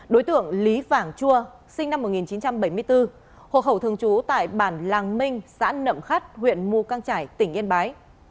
đối tượng lý vảng chua sinh năm một nghìn chín trăm bảy mươi bốn hộ khẩu thường trú tại bản làng minh xã nậm khắt huyện mù căng trải tỉnh yên bái